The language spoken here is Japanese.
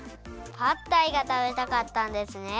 パッタイがたべたかったんですね。